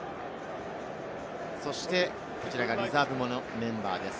そしてこちらがリザーブのメンバーです。